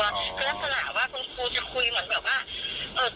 อัตภาพคลุมจะคุยเหมือนว่าตัวเองยังเล็กอยู่ยังไม่เท่าห่วงคุณหรอก